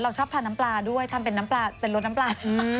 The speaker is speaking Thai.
ชอบทานน้ำปลาด้วยทำเป็นน้ำปลาเป็นรสน้ำปลา